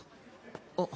あっ。